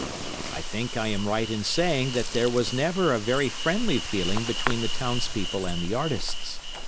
I think I am right in saying there was never a very friendly feeling between the townspeople and the artists.